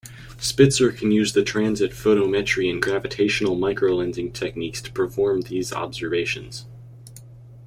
"Spitzer" can use the transit photometry and gravitational microlensing techniques to perform these observations.